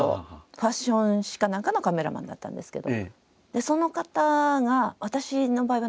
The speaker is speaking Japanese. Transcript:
ファッション誌か何かのカメラマンだったんですけど。